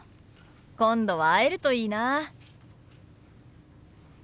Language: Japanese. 今度は会えるといいな。